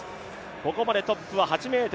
ここまでトップは８ｍ